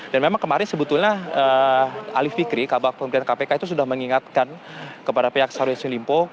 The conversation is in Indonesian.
dan memang kemarin sebetulnya alif fikri kabar pemerintahan kpk itu sudah mengingatkan kepada pihak sarawak sini liku